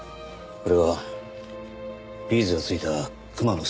これはビーズが付いたクマのストラップです。